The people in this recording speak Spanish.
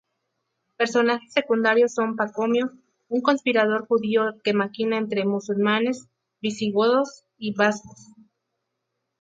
Personajes secundarios son Pacomio, un conspirador judío que maquina entre musulmanes, visigodos y vascos.